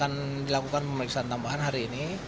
ada alat bukti